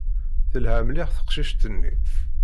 Telha mliḥ teqcict-nni.